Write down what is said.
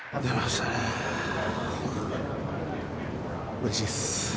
うれしいっす。